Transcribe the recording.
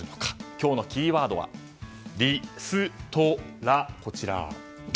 今日のキーワードはリストラ。